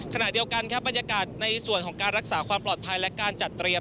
ขณะเดียวกันครับบรรยากาศในส่วนของการรักษาความปลอดภัยและการจัดเตรียม